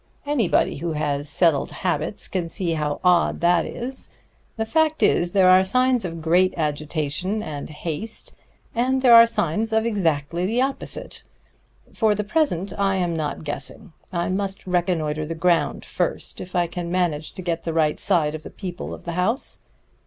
Anybody who has settled habits can see how odd that is. The fact is, there are signs of great agitation and haste, and there are signs of exactly the opposite. For the present I am not guessing. I must reconnoiter the ground first, if I can manage to get the right side of the people of the house."